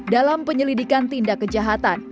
dalam penyelidikan tindak kejahatan